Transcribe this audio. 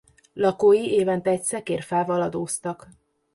Lakói évente egy szekér fával adóztak.